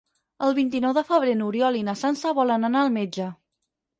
El vint-i-nou de febrer n'Oriol i na Sança volen anar al metge.